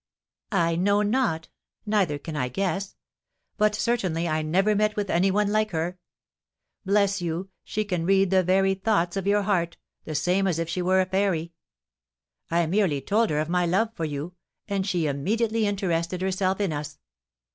"I know not, neither can I guess; but certainly I never met with any one like her. Bless you, she can read the very thoughts of your heart, the same as if she were a fairy. I merely told her of my love for you, and she immediately interested herself in us.